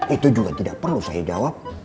itu juga tidak perlu saya jawab